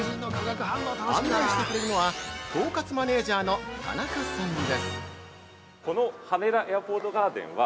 案内してくれるのは、統括マネージャーの田中さんです。